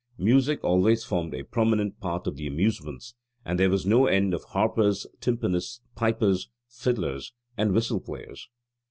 Music always formed a prominent part of the amusements: and there was no end of harpers, timpanists, pipers, fiddlers, and whistle players.